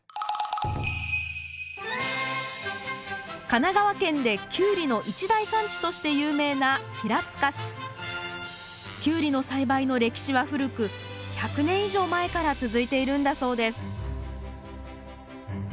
神奈川県でキュウリの一大産地として有名なキュウリの栽培の歴史は古く１００年以上前から続いているんだそうです